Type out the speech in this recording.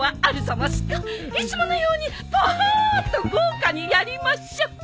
いつものようにパーっと豪華にやりましょ。